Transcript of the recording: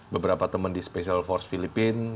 beberapa teman di special force filipina